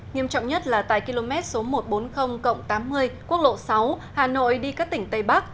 nghiêm trọng nhất là tại km số một trăm bốn mươi tám mươi quốc lộ sáu hà nội đi các tỉnh tây bắc